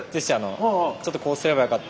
ちょっとこうすればよかった